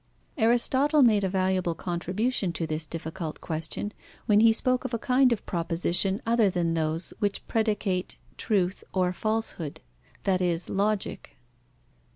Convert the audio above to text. Aristotle made a valuable contribution to this difficult question, when he spoke of a kind of proposition other than those which predicate truth or falsehood, that is, logic.